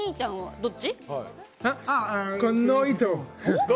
どっち。